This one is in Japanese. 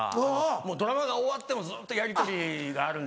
もうドラマが終わってもずっとやりとりがあるんですよ。